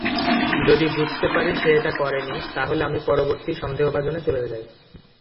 যদি বুঝতে পারি সে এটা করেনি, তাহলে আমি পরবর্তী সন্দেহভাজনে চলে যাই।